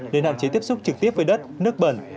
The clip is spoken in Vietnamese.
để hạn chế tiếp xúc trực tiếp với đất nước bẩn